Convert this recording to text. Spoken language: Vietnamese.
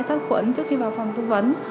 xác khuẩn trước khi vào phòng tư vấn